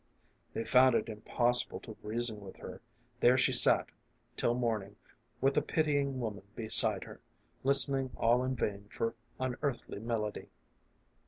They found it impossible to reason with her ; there she sat till morning, with a pitying woman beside her, listening all in vain for unearthly melody.